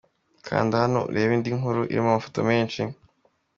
Kanda hano urebe indi nkuru irimo amafoto menshi.